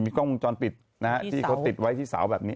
กล้องวงจรปิดนะฮะที่เขาติดไว้ที่เสาแบบนี้